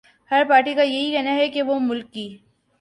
ہر party کایہی کہنا ہے کہ وہ ملک کی